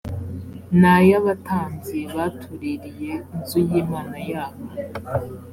ni ay’abatambyi batuririye inzu y’imana yabo